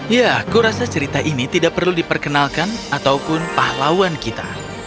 ya aku rasa cerita ini tidak perlu diperkenalkan ataupun pahlawan kita